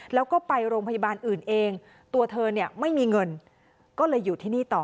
แล้วก็ไปโรงพยาบาลอื่นเองตัวเธอเนี่ยไม่มีเงินก็เลยอยู่ที่นี่ต่อ